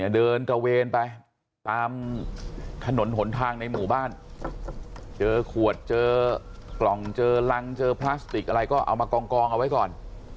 เดินตระเวนไปตามถนนหนทางในหมู่บ้านเจอขวดเจอกล่องเจอรังเจอพลาสติกอะไรก็เอามากองเอาไว้ก่อน